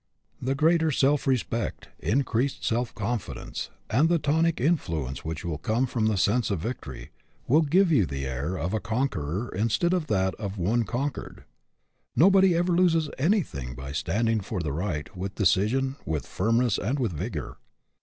The greater self respect, increased self confidence, and the tonic influence which will come from the sense of victory, will give you the air of a conqueror instead of that of one conquered. Nobody ever loses anything by standing for the right with decision, with firmness, and with vigor.